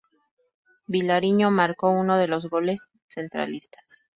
Vilariño marcó uno de los goles centralistas.